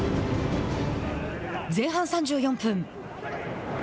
前半３４分。